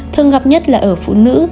thường gặp nhất là ở phụ nữ